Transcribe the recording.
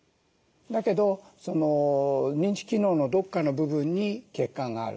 だけど認知機能のどっかの部分に欠陥がある。